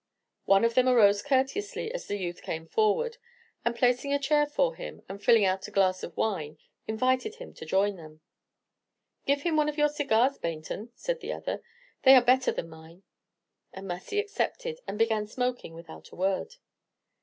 One of them arose courteously as the youth came forward, and placing a chair for him, and filling out a glass of wine, invited him to join them. "Give him one of your cigars, Baynton," said the other; "they are better than mine." And Massy accepted, and began smoking without a word.